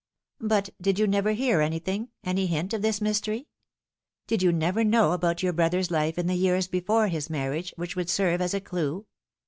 "But did you never hear anything any hint of thia mystery ? Did you never know anything about your brother's life in the years before his marriage which would serve as a clue